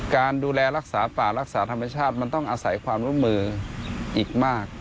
การดูแลรักษาป่ารักษาธรรมชาติมันต้องอาศัยความร่วมมืออีกมาก